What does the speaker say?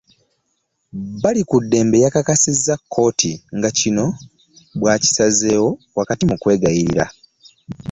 Balikuddembe yakakasizza kkooti nga kino bw'akisazeewo wakati mu kweyagalira